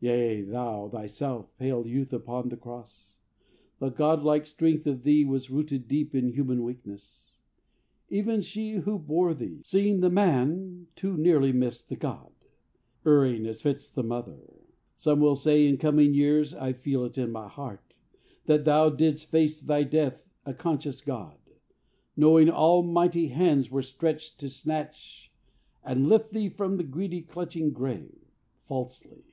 "Yea, thou thyself, pale youth upon the cross The godlike strength of thee was rooted deep In human weakness. Even she who bore thee, Seeing the man too nearly, missed the God, Erring as fits the mother. Some will say In coming years, I feel it in my heart, That thou didst face thy death a conscious God, Knowing almighty hands were stretched to snatch And lift thee from the greedy clutching grave. Falsely!